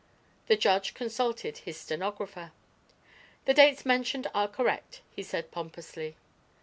The judge consulted his stenographer. "The dates mentioned are correct," he said pompously.